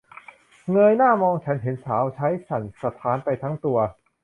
เงยหน้ามอง ฉันเห็นสาวใช้สั่นสะท้านไปทั้งตัว